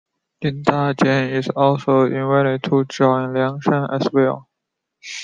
Jin Dajian is also invited to join Liangshan as well.